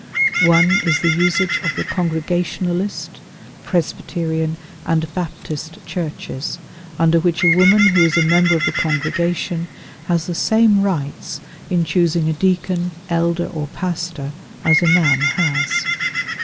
One is the usage of the Congregationalist, Presbyterian, and Baptist churches, under which a woman who is a member of the congregation has the same rights in choosing a deacon, elder, or pastor, as a man has.